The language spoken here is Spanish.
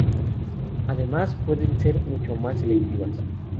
Además pueden ser mucho más selectivas.